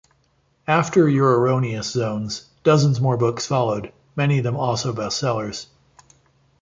After "Your Erroneous Zones" dozens more books followed, many of them also best-sellers.